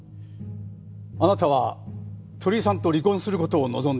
あなたは鳥居さんと離婚する事を望んでいましたね？